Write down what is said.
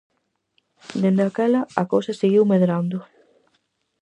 Dende aquela, a cousa seguiu medrando.